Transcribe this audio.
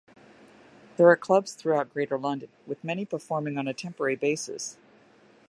There are clubs throughout Greater London, with many performing on a temporary basis.